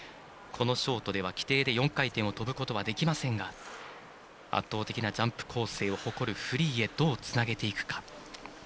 このショートでは規定で４回転を跳ぶことはできませんが圧倒的なジャンプ構成を誇るフリーへどうつなげていくか。